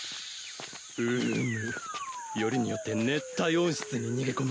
うむよりによって熱帯温室に逃げ込むとは。